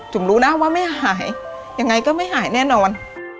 รู้นะว่าไม่หายยังไงก็ไม่หายแน่นอน